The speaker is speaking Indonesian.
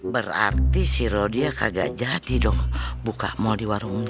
berarti si rodia kagak jadi dong buka mal di warung ini